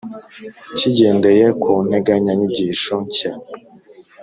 kigendeye ku nteganyanyigisho nshya